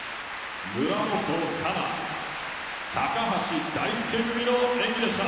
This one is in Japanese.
「村元哉中橋大輔組の演技でした」。